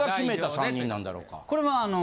これは。